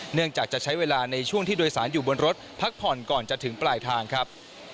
เนื่องจากจะใช้เวลาในช่วงที่โดยสารอยู่บนรถพักผ่อนก่อนจะถึงปลายทางครับ